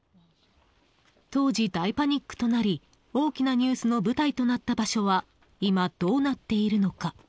当時、大パニックとなり大きなニュースの舞台となった場所は今、どうなっているのか。